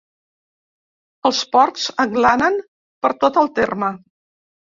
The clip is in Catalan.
Els porcs aglanen per tot el terme.